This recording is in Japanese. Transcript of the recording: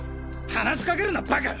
話しかけるなバカ！